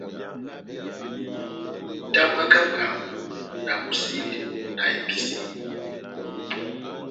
Tamwaka bwámu na bosɛli na episiyo.